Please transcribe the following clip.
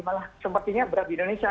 malah sepertinya berat di indonesia